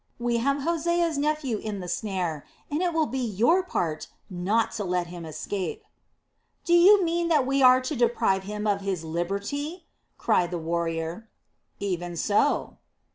We have Hosea's nephew in the snare, and it will be your part not to let him escape." "Do you mean that we are to deprive him of his liberty?" cried the warrior. "Even so."